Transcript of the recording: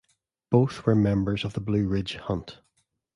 Both were members of the Blue Ridge Hunt.